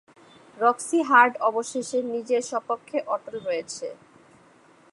Roxie Hart অবশেষে নিজের স্বপক্ষে অটল রয়েছে।